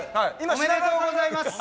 おめでとうございます。